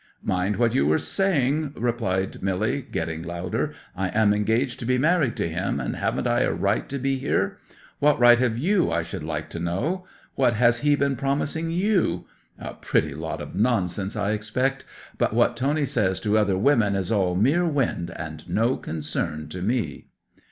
'"Mind what you are saying!" replied Milly, getting louder. "I am engaged to be married to him, and haven't I a right to be here? What right have you, I should like to know? What has he been promising you? A pretty lot of nonsense, I expect! But what Tony says to other women is all mere wind, and no concern to me!"